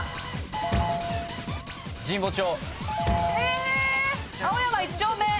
神保町。